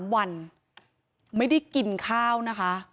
๓วันไม่ได้กินข้าวนะคะ